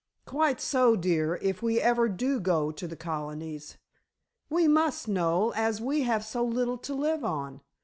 "Quite so, dear, if we ever do go to the Colonies." "We must, Noel, as we have so little to live on."